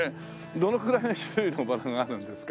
どのくらいの種類のバラがあるんですか？